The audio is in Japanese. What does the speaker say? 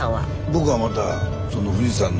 僕はまた富士山の。